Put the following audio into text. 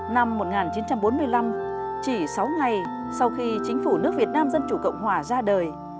năm một nghìn chín trăm bốn mươi năm chỉ sáu ngày sau khi chính phủ nước việt nam dân chủ cộng hòa ra đời